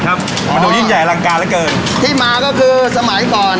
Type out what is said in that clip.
ผมว่าเลยเอ๊ะของเราอร่อยกว่าดีกว่า